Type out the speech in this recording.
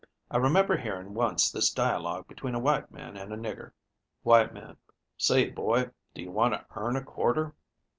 I remember hearing once this dialogue between a white man and a nigger: "White Man 'Say, boy, do you want to earn a quarter?'